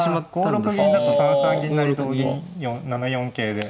あ５六銀だと３三銀成同銀７四桂で。